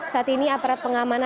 saat ini aparat pengamanan